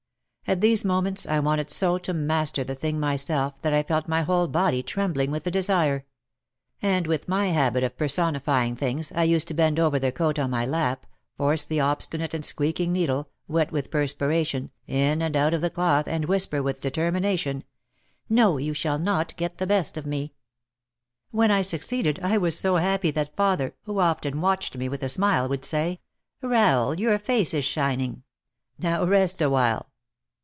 At these moments I wanted so to master the thing myself that I felt my whole body trembling with the desire. And with my habit of per sonifying things, I used to bend over the coat on my lap, force the obstinate and squeaking needle, wet with perspiration, in and out of the cloth and whisper with determination: "No, you shall not get the best of me!" When I succeeded I was so happy that father, who often watched me with a smile, would say, "Rahel, your face is shining. Now rest a while."